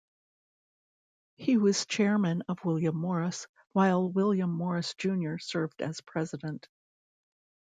He was Chairman of William Morris while William Morris Junior served as President.